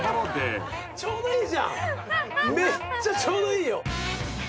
めっちゃちょうどいい。